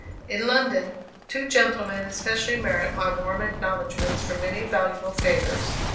In London, two gentlemen especially merit my warm acknowledgments for many valuable favors.